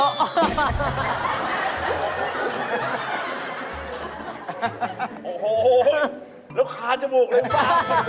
โอ้โหแล้วคานจมูกเลยป้า